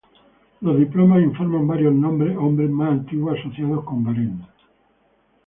Los diplomas informan varios hombres más antiguos asociados con Warenne.